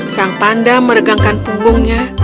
sang panda meregangkan punggungnya